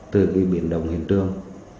từ cái biển đồng hiện trường